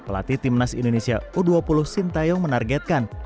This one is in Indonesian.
pelatih timnas indonesia u dua puluh sintayong menargetkan